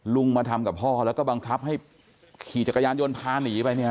มาทำกับพ่อแล้วก็บังคับให้ขี่จักรยานยนต์พาหนีไปเนี่ย